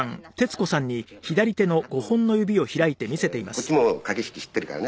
こっちも駆け引き知っているからね。